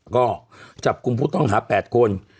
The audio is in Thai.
ก็จับกลุ่มผู้ต้องหา๘คน